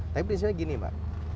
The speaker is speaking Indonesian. tapi prinsipnya gini mbak